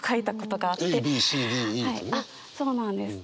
はいそうなんです。